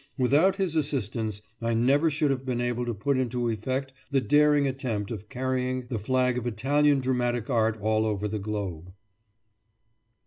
Without his assistance I never should have been able to put into effect the daring attempt of carrying the flag of Italian dramatic art all over the globe.